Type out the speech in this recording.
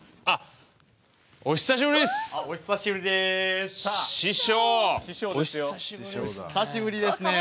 あっお久しぶりです。